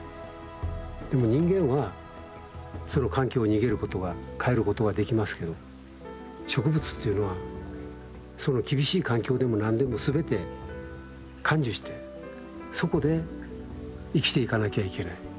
でも人間はその環境逃げることは変えることはできますけど植物っていうのはその厳しい環境でも何でも全て甘受してそこで生きていかなきゃいけない。